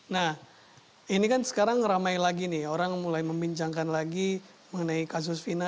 nah ini kan sekarang ramai lagi nih orang mulai membincangkan lagi mengenai kasus vina